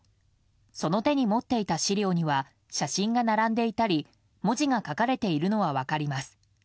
その手に持っていた資料には写真が並んでいたり文字が書かれているのは分かります。